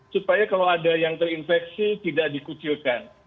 supaya kalau ada yang terinfeksi tidak dikucilkan